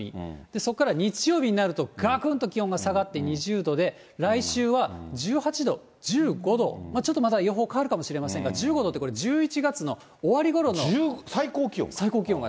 そこから日曜日になると、がくんと気温が下がって２０度で、来週は１８度、１５度、ちょっとまた予報変わるかもしれませんが、１５度ってこれ、１１最高気温が？